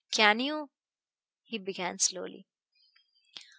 "Can you " he began slowly.